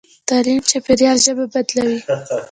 تعلیم چاپېریال ژبه بدلوي.